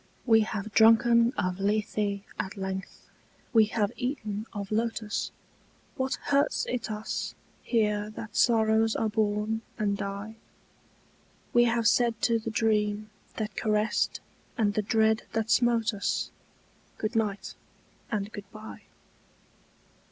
We have drunken of Lethe at length, we have eaten of lotus; What hurts it us here that sorrows are born and die? We have said to the dream that caressed and the dread that smote us Goodnight and goodbye.